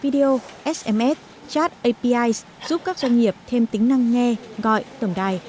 video sms chat apis giúp các doanh nghiệp thêm tính năng nghe gọi tổng đài